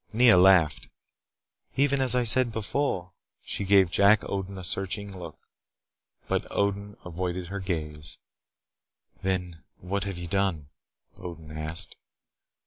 Nea laughed. "Even as I said before." She gave Jack Odin a searching look, but Odin avoided her gaze "Then, what have you done?" Odin asked.